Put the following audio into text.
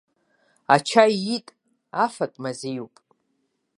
Ача иит, афатә мазеиуп.